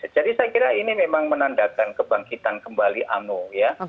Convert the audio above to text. jadi saya kira ini memang menandakan kebangkitan kembali umno ya